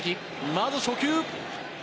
まず初球。